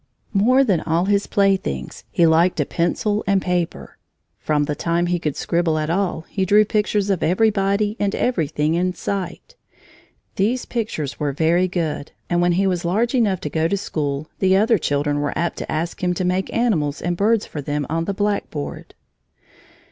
More than all his playthings he liked a pencil and paper. From the time he could scribble at all he drew pictures of everybody and everything in sight. These pictures were very good, and when he was large enough to go to school the other children were apt to ask him to make animals and birds for them on the blackboard.